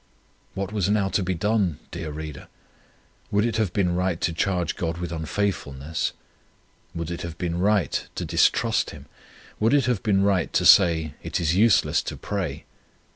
What was now to be done, dear Reader? Would it have been right to charge God with unfaithfulness? Would it have been right to distrust Him? Would it have been right to say, it is useless to pray?